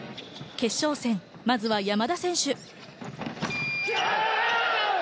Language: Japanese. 決勝戦、まずは山田選手。